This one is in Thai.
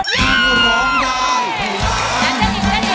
เพราะว่า